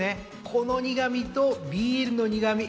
この苦味とビールの苦味